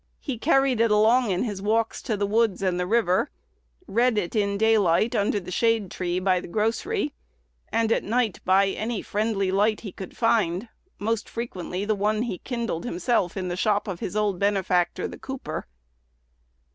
He carried it along in his walks to the woods and the river; read it in daylight under the shade tree by the grocery, and at night by any friendly light he could find, most frequently the one he kindled himself in the shop of his old benefactor, the cooper.